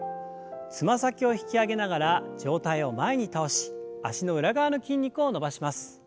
つま先を引き上げながら上体を前に倒し脚の裏側の筋肉を伸ばします。